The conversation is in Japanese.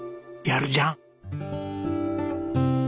やるじゃん。